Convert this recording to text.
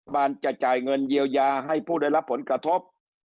มันจะจ่ายเงินเยียวยาให้ผู้ได้รับผลกระทบ